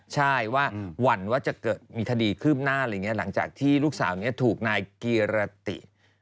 ใช่ว่าหวั่นว่าจะมีคดีคืบหน้าอะไรอย่างนี้หลังจากที่ลูกสาวนี้ถูกนายกีรติ